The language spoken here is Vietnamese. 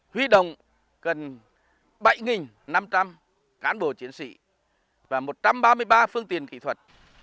huy động gần bảy năm trăm linh cán bộ chiến sĩ và một trăm ba mươi ba phương tiện kỹ thuật